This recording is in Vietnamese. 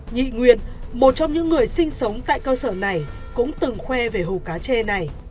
nhị nguyên một trong những người sinh sống tại cơ sở này cũng từng khoe về hồ cá tre này